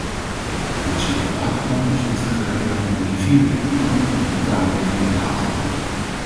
Het nationale waterplan is niet vergelijkbaar met een rivierbekkenplan onder de kaderrichtlijn water.